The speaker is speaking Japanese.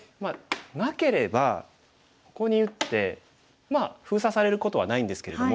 なければここに打って封鎖されることはないんですけれども。